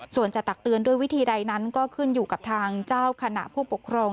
ส่วนจะตักเตือนด้วยวิธีใดนั้นก็ขึ้นอยู่กับทางเจ้าคณะผู้ปกครอง